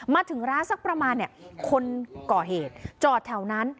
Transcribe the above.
มาถึงร้านสักประมาณคนก่อเหตุจอดแถวนั้น